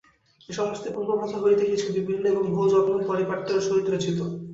এ সমস্তই পূর্বপ্রথা হইতে কিছু বিভিন্ন এবং বহু যত্ন ও পারিপাট্যের সহিত রচিত।